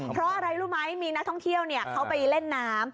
เพราะอะไรรู้ไหมมีนักท่องเที่ยวเขาไปเล่นน้ำ